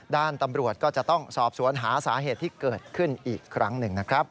ตำรวจก็จะต้องสอบสวนหาสาเหตุที่เกิดขึ้นอีกครั้งหนึ่งนะครับ